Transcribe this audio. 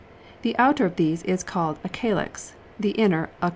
The outer of these is call ed a calyx, the inner a 3.